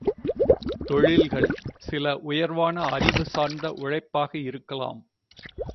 தொழில்கள் சில உயர்வான அறிவு சார்ந்த உழைப்பாக இருக்கலாம்.